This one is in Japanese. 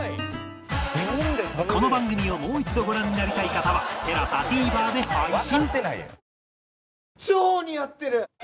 この番組をもう一度ご覧になりたい方は ＴＥＬＡＳＡＴＶｅｒ で配信